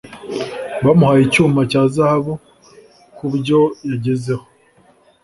Bamuhaye icyuma cya zahabu kubyo yagezeho.